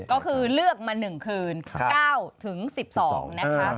ก็คือเลือกมา๑คืน๙๑๒นะคะ